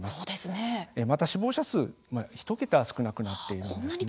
また、死亡者数も１桁少なくなっているんですね。